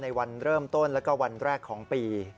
ในวันเริ่มต้นและวันแรกของปี